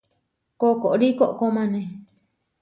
Koʼkóri koʼkómane.